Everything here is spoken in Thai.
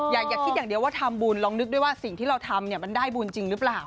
อย่าคิดอย่างเดียวว่าทำบุญลองนึกด้วยว่าสิ่งที่เราทำมันได้บุญจริงหรือเปล่า